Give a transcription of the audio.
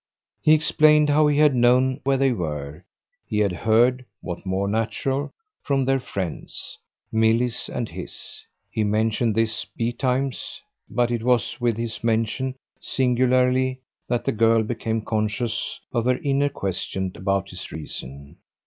He explained how he had known where they were; he had heard what more natural? from their friends, Milly's and his. He mentioned this betimes, but it was with his mention, singularly, that the girl became conscious of her inner question about his reason.